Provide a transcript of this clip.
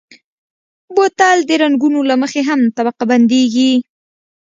بوتل د رنګونو له مخې هم طبقه بندېږي.